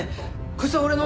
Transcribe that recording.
こいつは俺の。